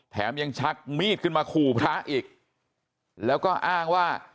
แถมยังชักมีดขึ้นมาขู่พระอีกแล้วก็อ้างว่า